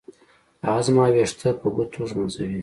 هغه زما ويښته په ګوتو ږمنځوي.